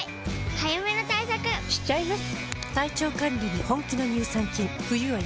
早めの対策しちゃいます。